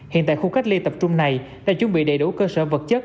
hiện tại khu cách ly tập trung này đã chuẩn bị đầy đủ cơ sở vật chất